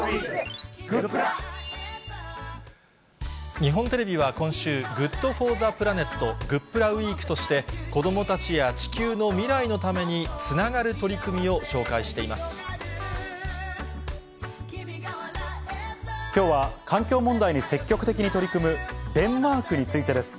日本テレビは今週、ＧｏｏｄＦｏｒｔｈｅＰｌａｎｅｔ・グップラウィークとして、子どもたちや地球の未来のためにつながる取り組みを紹介していまきょうは、環境問題に積極的に取り組むデンマークについてです。